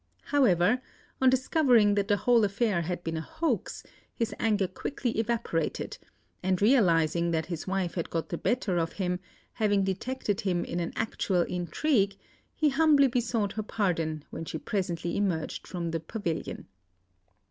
However, on discovering that the whole affair had been a hoax, his anger quickly evaporated; and realising that his wife had got the better of him, having detected him in an actual intrigue, he humbly besought her pardon when she presently emerged from the pavilion.